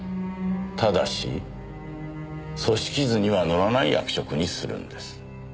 ただし組織図には載らない役職にするんです。